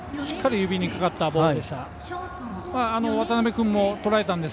しっかり指にかかったボールでした。